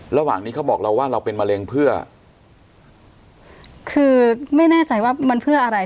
ระหว่างนี้เขาบอกเราว่าเราเป็นมะเร็งเพื่อคือไม่แน่ใจว่ามันเพื่ออะไร